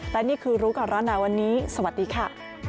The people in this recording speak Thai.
และนี่คือรู้ก่อนร้อนหนาวันนี้สวัสดีค่ะ